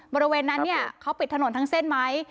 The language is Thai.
บริเวณนั้นเนี่ยเขาปิดถนนทั้งเส้นไหม